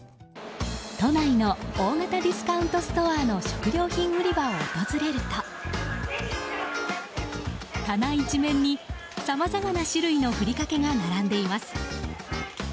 都内の大型ディスカウントストアの食料品売り場を訪れると棚一面にさまざまな種類のふりかけが並んでいます。